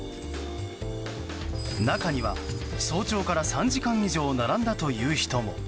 中には早朝から３時間以上並んだという人も。